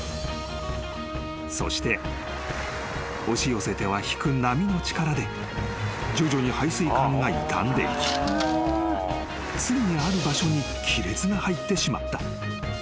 ［そして押し寄せては引く波の力で徐々に排水管が傷んでいきついにある場所に亀裂が入ってしまった］